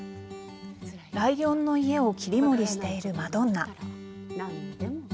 ライオンの家を切り盛りしているマドンナ。